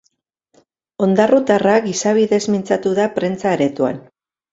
Ondarrutarra gizabidez mintzatu da prentsa aretoan.